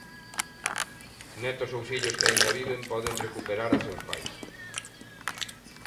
Netos ou fillos que aínda viven poden recuperar a seus pais.